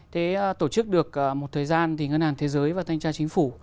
thế tổ chức được một thời gian thì ngân hàng thế giới và thanh tra chính phủ